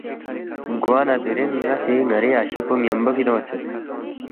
گوانہ دِرِنگ ن٘ا سی ن٘ری اشی پو ن٘یمبو کِھدے اونگسید